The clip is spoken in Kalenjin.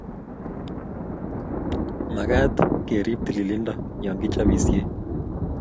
Magat kerib tililindo yo kichobisie